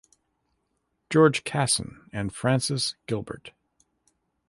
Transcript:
George Casson and Frances Gilbert.